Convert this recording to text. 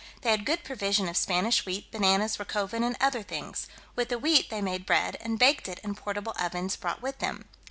They had good provision of Spanish wheat, bananas, racoven, and other things; with the wheat they made bread, and baked it in portable ovens, brought with them.